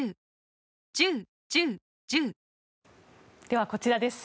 では、こちらです。